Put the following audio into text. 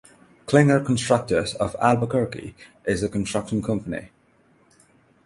Klinger Constructors of Albuquerque is the construction company.